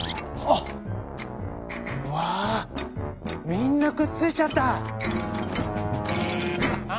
みんなくっついちゃった！ハハ」。